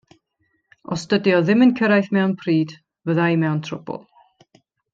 Os dydi o ddim yn cyrraedd mewn pryd fydda i mewn trwbl.